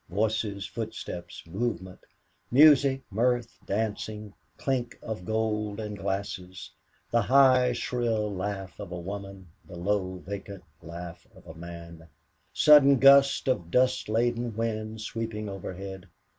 Voices footsteps movement music mirth dancing clink of gold and glasses the high, shrill laugh of a woman the loud, vacant laugh of a man sudden gust of dust laden wind sweeping overhead...